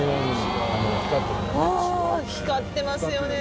光ってますよね